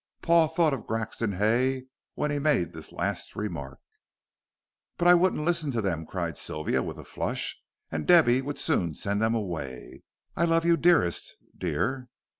Paul thought of Grexon Hay when he made this last remark. "But I wouldn't listen to them," cried Sylvia, with a flush, "and Debby would soon send them away. I love you dearest, dear."